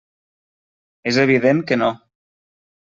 És evident que no.